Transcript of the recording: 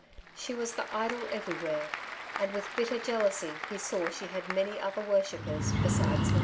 She was the idol everywhere, and with bitter jealousy he saw she had many other worship pers besides himself.